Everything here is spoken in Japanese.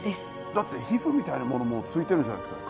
だって皮膚みたいなものもついてるじゃないですか。